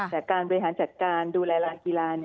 แต่การบริหารจัดการดูแลร้านกีฬา